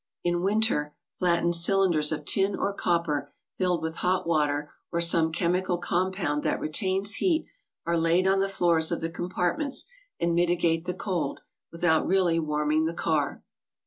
In winter flattened cylinders of tin or copper, filled with hot water or some chemical compound that retains heat, are laid on the floors of the compartments and mitigate the cold, without really warming the car.